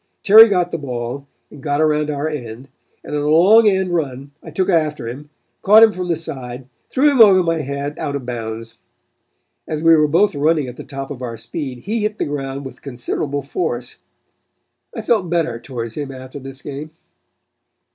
Terry got the ball and got around our end, and on a long end run I took after him, caught him from the side, threw him over my head out of bounds. As we were both running at the top of our speed he hit the ground with considerable force. I felt better towards him after this game."